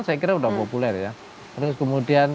saya kira sudah populer ya terus kemudian